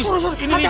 suri suri ya